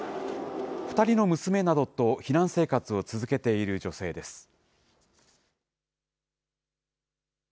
２人の娘などと避難生活を続けている女性です。